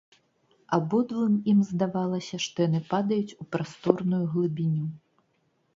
Абодвум ім здавалася, што яны падаюць у прасторную глыбіню.